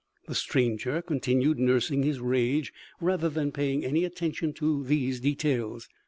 The stranger continued nursing his rage rather than paying any attention to these details.